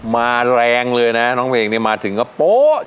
แรงเลยนะน้องเพลงเนี่ยมาถึงก็โป๊ะ